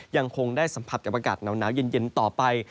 ยังคงได้สัมผัสกับอากาศหนาวเย็นต่อไป